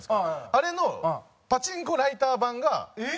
あれのパチンコライター版があるんですよ。